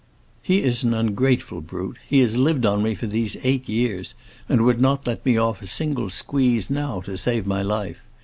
He is an ungrateful brute; he has lived on me for these eight years, and would not let me off a single squeeze now to save my life.